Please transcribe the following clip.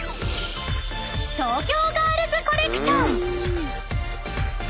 東京ガールズコレクション］